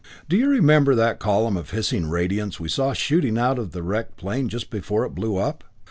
"Do you remember that column of hissing radiance we saw shooting out of the wrecked plane just before it blew up?